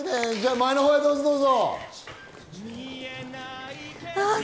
前のほうにどうぞ、とうぞ。